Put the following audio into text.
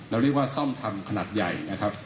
เราเรียกว่าซ่อมทำขนาดใหญ่